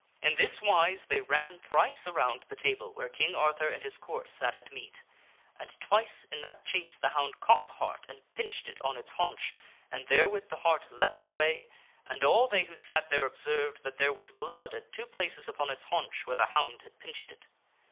In this wise they ran thrice around the table where King Arthur and his Court sat at meat, and twice in that chase the hound caught the hart and pinched it on its haunch, and there with the hart leaped away, and all they who sat there observed that there was blood at two places upon its haunch where the hound had pinched it.